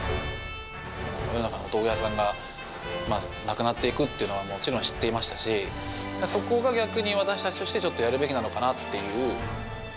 世の中のお豆腐屋さんが、なくなっていくっていうのはもちろん知っていましたし、そこが逆に私たちとして、ちょっとやるべきなのかなっていう。